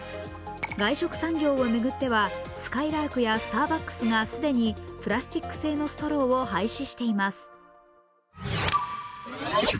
外食産業を巡ってはすかいらーくやスターバックスが既にプラスチック製のストローを廃止しています。